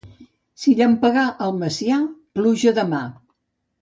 Si llampegà al Macià, pluja demà.